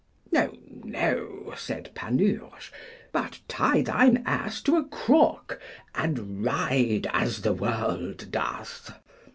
No, no, said Panurge, but tie thine ass to a crook, and ride as the world doth.